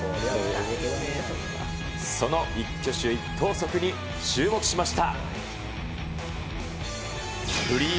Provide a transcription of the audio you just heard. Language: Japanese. その一挙手一投足に注目しました。